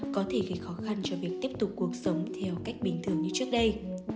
có thể gây khó khăn cho việc tiếp tục cuộc sống theo cách bình thường như trước đây